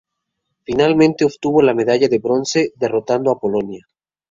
Finalmente obtuvo la medalla de bronce derrotando a Polonia.